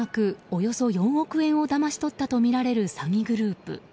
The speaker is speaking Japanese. およそ４億円をだまし取ったとみられる詐欺グループ。